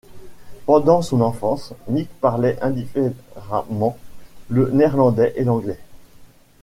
Pendant son enfance, Nick parlait indifféremment le néerlandais et l'anglais.